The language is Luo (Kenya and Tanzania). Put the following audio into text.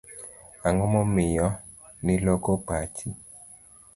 Ang'o momiyo ni loko pachi?